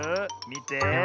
みて。